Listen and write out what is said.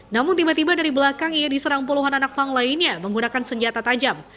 namun tiba tiba dari belakang ia diserang puluhan anak pang lainnya menggunakan senjata tajam